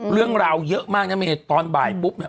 เรื่องราวเยอะมากนะเมธตอนบ่ายปุ๊บ